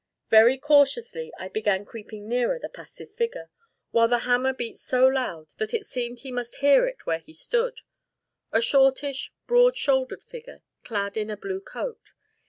Very cautiously I began creeping nearer the passive figure, while the hammer beat so loud that it seemed he must hear it where he stood: a shortish, broad shouldered figure, clad in a blue coat.